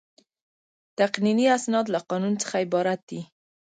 تقنیني اسناد له قانون څخه عبارت دي.